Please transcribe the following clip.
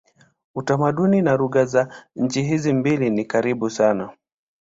Utamaduni na lugha za nchi hizi mbili ni karibu sana.